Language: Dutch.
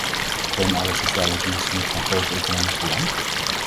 Zijn alle sociale diensten niet van groot economisch belang?